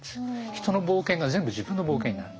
人の冒険が全部自分の冒険になる。